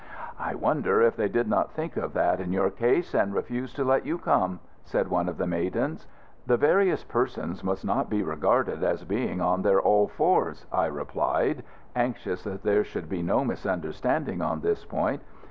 "I wonder if they did not think of that in your case, and refuse to let you come," said one of the maidens. "The various persons must not be regarded as being on their all fours," I replied, anxious that there should be no misunderstanding on this point.